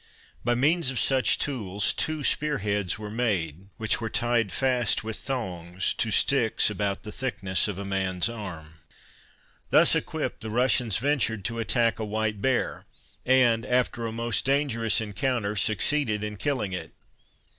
By means of such tools, two spear heads were made, which were tied fast with thongs to sticks about the thickness of a man's arm. Thus equipped, the Russians ventured to attack a white bear, and, after a most dangerous encounter, succeeded in killing it.